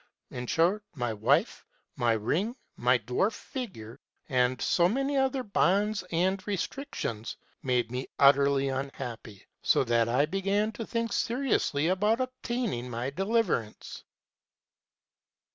In short, my wife, my ring, my dwarf figure, and so many other bonds and restrictions, made me utterly un happy ; so that I began to think seriously about obtaining aiy deliverance.